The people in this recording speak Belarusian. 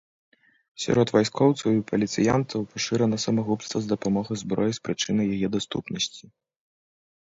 Сярод вайскоўцаў і паліцыянтаў пашырана самагубства з дапамогай зброі з прычыны яе даступнасці.